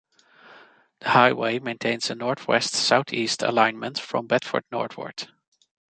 The highway maintains a northwest-southeast alignment from Bedford northward.